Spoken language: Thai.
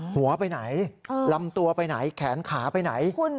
หัวไปไหนลำตัวไปไหนแขนขาไปไหน